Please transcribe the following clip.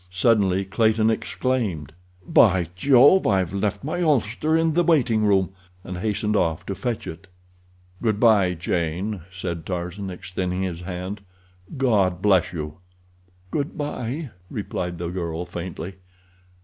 Suddenly Clayton exclaimed. "By Jove! I've left my ulster in the waiting room," and hastened off to fetch it. "Good bye, Jane," said Tarzan, extending his hand. "God bless you!" "Good bye," replied the girl faintly.